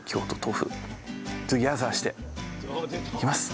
いきます。